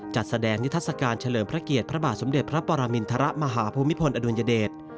จัดแสดงนิทัศกาลเฉลิมพระเกียรติพระบาทสมเด็จพระปรมินทรมาหาภูมิพลอดุลยเดช